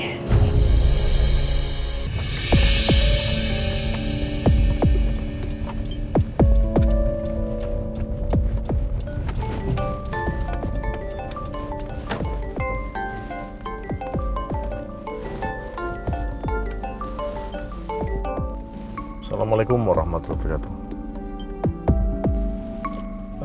assalamualaikum warahmatullahi wabarakatuh